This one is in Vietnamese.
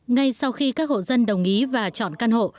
ngay sau khi các hộ dân đồng ý và chọn căn hộ